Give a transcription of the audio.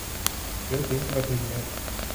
เสือสิงห์กระทิงแรด